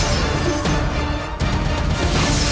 ya untuk melakukannya